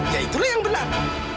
ya itulah yang benar